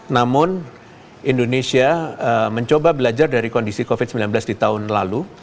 namun indonesia mencoba belajar dari kondisi covid sembilan belas di tahun lalu